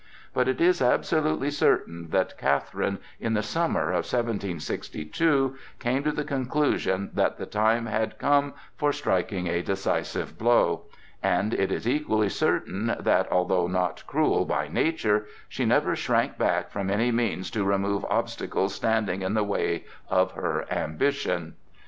But it is absolutely certain that Catherine, in the summer of 1762, came to the conclusion that the time had come for striking a decisive blow; and it is equally certain that, although not cruel by nature, she never shrank back from any means to remove obstacles standing in the way of her ambition.